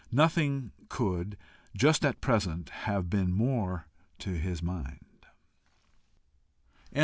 Nothing could just at present have been more to his mind.